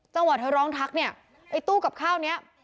ตะวัดเธอร้องทักเนี่ยไอตู้กับข้าวเนี้ย